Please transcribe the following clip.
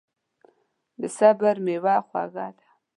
د صبر میوه خوږه ده.